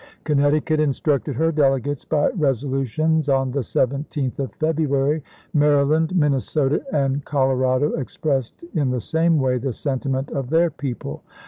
Connecticut instructed her delegates by resolu tions on the 17th of February; Maryland, Min 56 ABRAHAM LINCOLN chap. hi. nesota, and Colorado expressed in the same way the sentiment of their people.